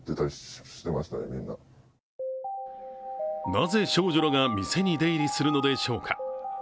なぜ少女らが店に出入りするのでしょうか。